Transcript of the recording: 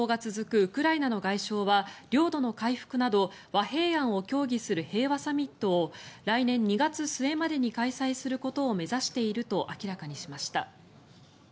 ウクライナの外相は領土の回復など和平案を協議する平和サミットを来年２月末までに開催することを目指していると明らかにしました。